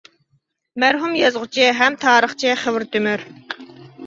مەرھۇم يازغۇچى ھەم تارىخچى خېۋىر تۆمۈر.